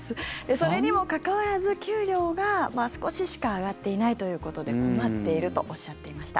それにもかかわらず給料が少ししか上がっていないということで困っているとおっしゃっていました。